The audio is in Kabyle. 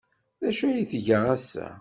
D acu ay tga ass-a?